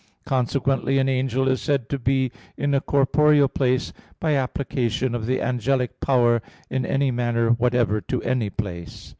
Consequently an angel is said to be in a corporeal place by application of the angelic power in any manner whatever to any place.